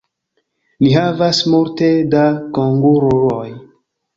Ni havas multe da kanguruoj